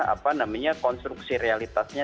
apa namanya konstruksi realitasnya